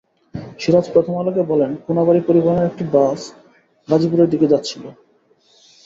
সিরাজ প্রথম আলোকে বলেন, কোনাবাড়ী পরিবহনের একটি বাস গাজীপুরের দিকে যাচ্ছিল।